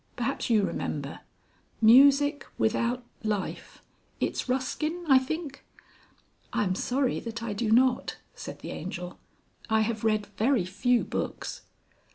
perhaps you remember? Music without life it's Ruskin I think?" "I'm sorry that I do not," said the Angel. "I have read very few books."